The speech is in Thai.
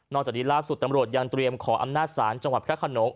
จากนี้ล่าสุดตำรวจยังเตรียมขออำนาจศาลจังหวัดพระขนง